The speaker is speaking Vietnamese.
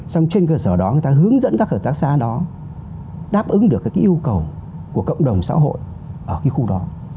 xong trên cơ sở đó người ta hướng dẫn các hợp tác xã đó đáp ứng được các cái yêu cầu của cộng đồng xã hội ở cái khu đó